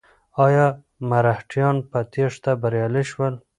ایا مرهټیان په تېښته بریالي شول؟